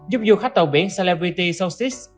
giúp du khách tàu biển celebrity soltis